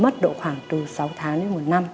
mất độ khoảng từ sáu tháng đến một năm